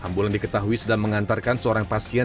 ambulans diketahui sedang mengantarkan seorang pasien